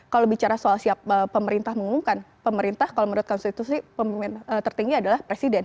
kalau bicara soal siap pemerintah mengumumkan pemerintah kalau menurut konstitusi pemimpin tertinggi adalah presiden